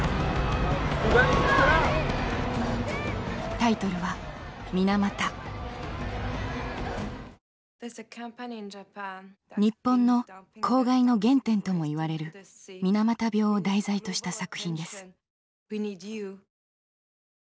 タイトルは日本の公害の原点ともいわれる水俣病を題材とした作品です。